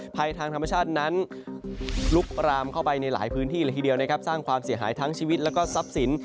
ภัยทางธรรมชาตินั้นลุกรามเข้าไปในหลายพื้นที่เลยทีเดียวนะครับสร้างความเสียหายทั้งชีวิตแล้วก็ทรัพย์สิน